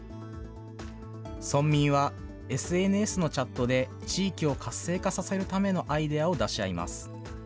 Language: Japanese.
村民はＳＮＳのチャットで地域を活性化させるためのアイデアを出し合います。